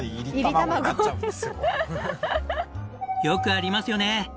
よくありますよね！